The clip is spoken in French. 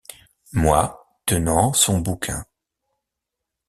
Moi tenant son bouquin.